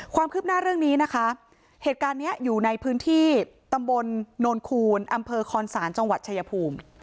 ความคืบหน้าเรื่องนี้นะคะเหตุการณ์นี้อยู่ในพื้นที่ตำบลโนนคูณอำเภอคอนศาลจังหวัดชายภูมิ